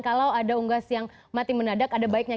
kalau ada unggas yang mati menadak ada baiknya